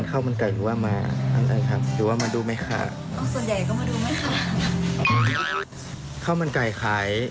ข้าวมันไก่ขายจานละกี่บาทครับ